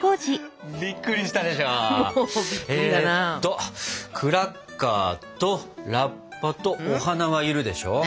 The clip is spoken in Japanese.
えっとクラッカーとラッパとお花は要るでしょ。